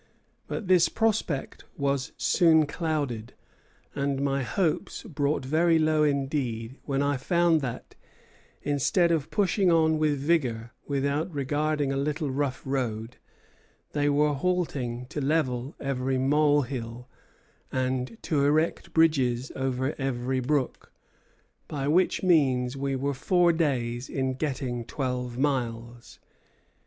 But this prospect was soon clouded, and my hopes brought very low indeed when I found that, instead of pushing on with vigor without regarding a little rough road, they were halting to level every mole hill, and to erect bridges over every brook, by which means we were four days in getting twelve miles."